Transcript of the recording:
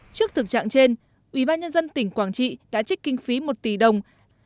trước thực trạng trên ubnd tỉnh quảng trị đã trích kinh phí một tỷ đồng